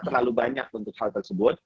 terlalu banyak untuk hal tersebut